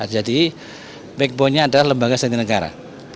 jadi backbone nya adalah lembaga sandi negara